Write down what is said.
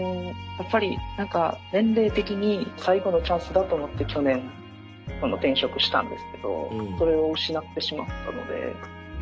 やっぱり年齢的に最後のチャンスだと思って去年この転職したんですけどそれを失ってしまったので。